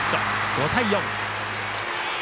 ５対４。